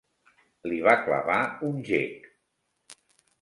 Li va clavar un gec.